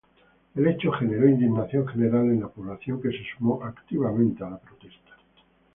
El hecho generó indignación general en la población que se sumó activamente la protesta.